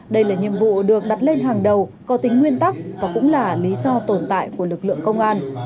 đây là nhiệm vụ được đặt lên hàng đầu có tính nguyên tắc và cũng là lý do tồn tại của lực lượng công an